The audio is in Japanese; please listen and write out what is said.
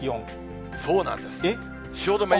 そうなんです。